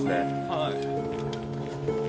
はい。